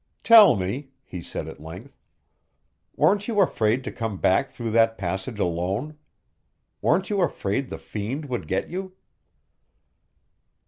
"Tell me," he said, at length, "weren't you afraid to come back through that passage alone? Weren't you afraid the fiend would get you?"